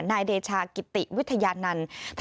นายเดชากิติวิทยานันต์